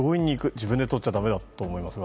自分でとっちゃだめだと思います。